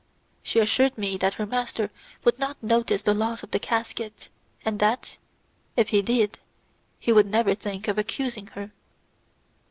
She assured me that her master would not notice the loss of the casket, and that, if he did, he would never think of accusing her.